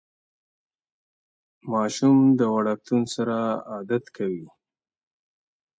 ماشوم د وړکتون سره عادت کوي.